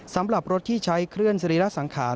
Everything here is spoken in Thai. สำหรับรถที่ใช้เคลื่อนสรีระสังขาร